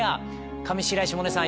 上白石萌音さん